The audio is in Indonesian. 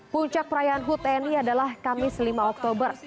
puncak perayaan who tener adalah kamis lima oktober